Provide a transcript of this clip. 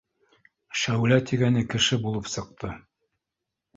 Шәүлә тигәне кеше булып сыҡты